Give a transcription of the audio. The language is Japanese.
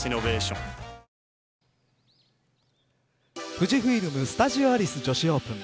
富士フイルム・スタジオアリス女子オープン。